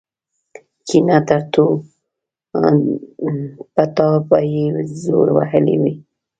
کېنه ټرتو په تا به يې زور وهلی وي.